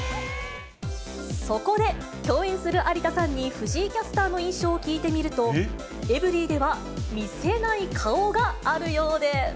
そこで共演する有田さんに藤井キャスターの印象を聞いてみると、エブリィでは見せない顔があるようで。